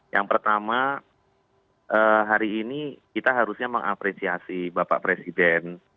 yang pertama hari ini kita harusnya mengapresiasi bapak presiden